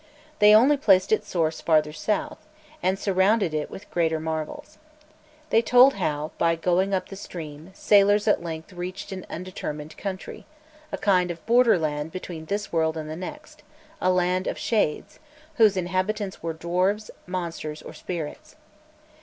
They only placed its source further south, and surrounded it with greater marvels. They told how, by going up the stream, sailors at length reached an undetermined country, a kind of borderland between this world and the next, a "Land of Shades," whose inhabitants were dwarfs, monsters, or spirits.